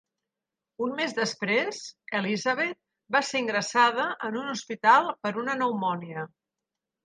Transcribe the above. Un mes després, Elizabeth va ser ingressada en un hospital per una pneumònia.